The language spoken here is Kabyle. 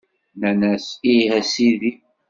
Nnan-as Ih, a Sidi!